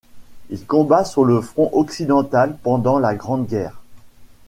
Il combat sur le front occidental pendant la Grande guerre.